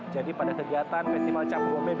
jadi pada kegiatan festival cap gome dua ribu delapan belas